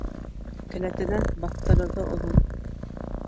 Келәтенән баҫтырығы оҙон.